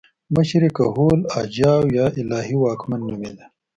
مشر یې کهول اجاو یا الهي واکمن نومېده